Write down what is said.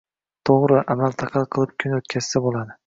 Tuvri, amal-taqal qilib kun o‘tkazsa bo‘ladi